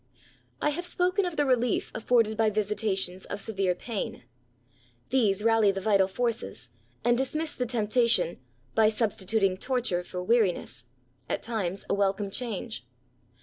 I have spoken of the relief afforded by visita tions of severe pain. These rally the vital forces^ and dismiss the temptation, by substituting torture for weariness — at times a welcome change.